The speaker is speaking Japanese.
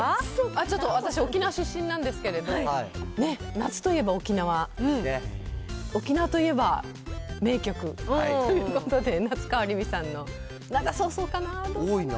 ちょっと私、沖縄出身なんですけれど、ね、夏といえば沖縄、沖縄といえば名曲ということで、夏川りみさんの涙そうそうかなと、どうかな。